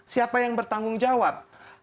siapa yang bertanggung jawab